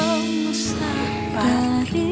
mengulang rasa cinta